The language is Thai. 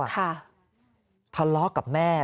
ทะเลาะกับแม่